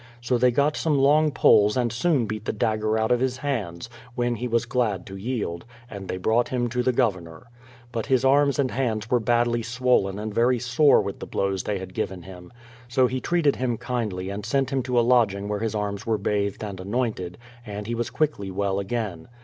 So they got some long poles and soon beat the dagger out of his hands, when he was glad to yield, and they brought him to the Governor. But his arms and hands were badly swollen and very sore with the blows they had given him. So he treated him kindly and sent him to a lodging where his arms were bathed and anointed, and he was quickly well again.